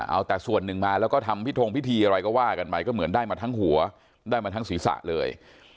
เอาแต่ส่วนหนึ่งมาแล้วก็ทำพิธงพิธีอะไรก็ว่ากันไปก็เหมือนได้มาทั้งหัวได้มาทั้งศีรษะเลย